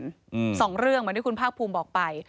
สองเรื่องเหมือนที่คุณภาคภูมิบอกไป